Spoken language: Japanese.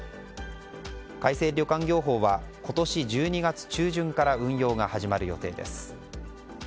改正旅館業法は今年１２月中旬から運用が始まる予定です。